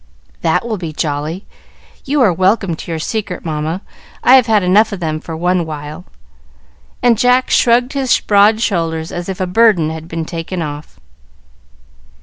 "That will be jolly. You are welcome to your secret, Mamma. I've had enough of them for one while;" and Jack shrugged his broad shoulders as if a burden had been taken off.